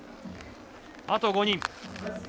あと５人。